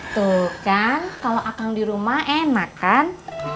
tuh kan kalau akang di rumah enak kan